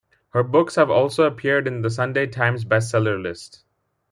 Her books have also appeared in the "Sunday Times" best-seller list.